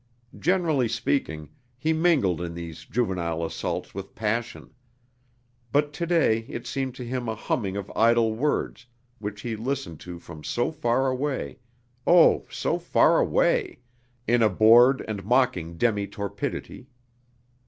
Generally speaking, he mingled in these juvenile assaults with passion. But today it seemed to him a humming of idle words which he listened to from so far away, oh, so far away! in a bored and mocking demi torpidity.